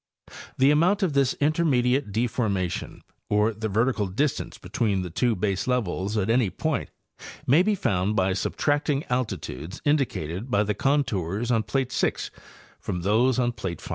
The amount of this intermediate deformation or the vertical distance between the two baselevels at any point may be found by sub tracting altitudes indicated by the contours on plate 6 from those on plate 5.